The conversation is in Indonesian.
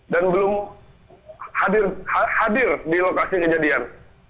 dan belum hadir di lokasi kejadian